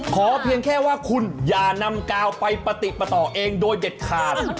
เพียงแค่ว่าคุณอย่านำกาวไปปฏิปต่อเองโดยเด็ดขาด